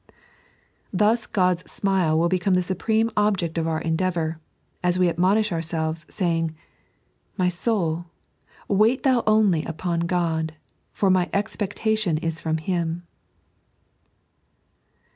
Thus Qod's smile will become the supreme object of our endeavour, as we admonish ourselves, saying :" My soul, wait thou only upon God ; for my expectation is from Him."